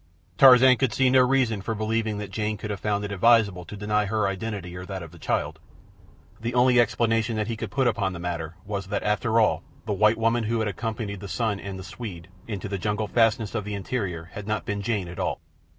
Tarzan could see no reason for believing that Jane could have found it advisable to deny her identity or that of the child; the only explanation that he could put upon the matter was that, after all, the white woman who had accompanied his son and the Swede into the jungle fastness of the interior had not been Jane at all.